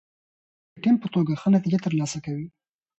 کارکوونکي د ټیم په توګه ښه نتیجه ترلاسه کوي